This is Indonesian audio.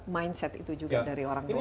maksudnya itu juga mindset dari orang tua